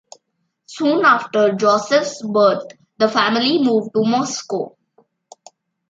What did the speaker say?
Soon after Joseph's birth, the family moved to Moscow.